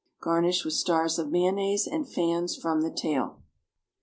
Garnish with stars of mayonnaise and fans from the tail.